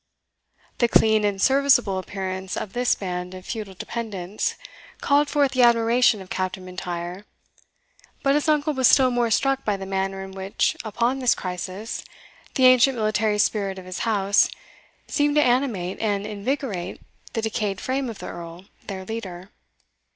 The clean and serviceable appearance of this band of feudal dependants called forth the admiration of Captain M'Intyre; but his uncle was still more struck by the manner in which, upon this crisis, the ancient military spirit of his house seemed to animate and invigorate the decayed frame of the Earl, their leader.